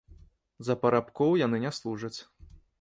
За парабкоў яны не служаць.